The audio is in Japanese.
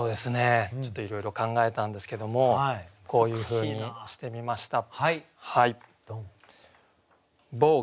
ちょっといろいろ考えたんですけどもこういうふうにしてみました。